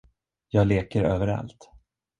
Jag leker överallt.